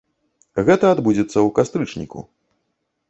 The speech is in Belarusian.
Гэта адбудзецца ў кастрычніку.